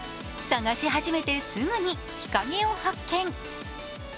探し始めてすぐに日陰を発見。